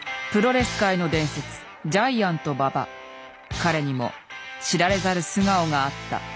彼にも知られざる素顔があった。